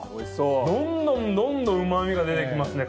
どんどんどんどんうまみが出てきますね